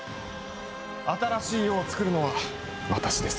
新しい世をつくるのは私です。